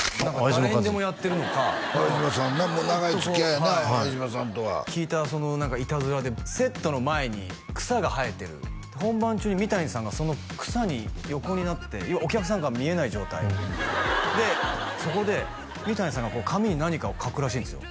誰にでもやってるのか相島さんねもう長いつきあいやな相島さんとは聞いたイタズラでセットの前に草が生えてる本番中に三谷さんがその草に横になって要はお客さんから見えない状態でそこで三谷さんがこう紙に何かを書くらしいんですよ